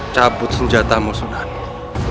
cabut senjata musuh nani